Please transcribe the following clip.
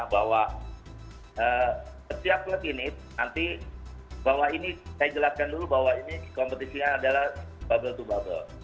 bahwa setiap klub ini nanti bahwa ini saya jelaskan dulu bahwa ini kompetisinya adalah bubble to bubble